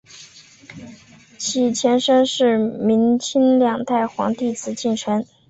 其前身是明清两代皇宫紫禁城。